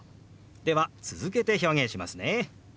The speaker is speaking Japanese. では続けて表現しますね。